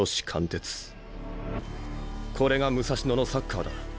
これが武蔵野のサッカーだ。